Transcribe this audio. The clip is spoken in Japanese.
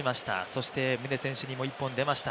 そして宗選手にも１本でました。